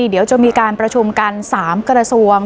เดี๋ยวจะมีการประชุมกัน๓กระทรวง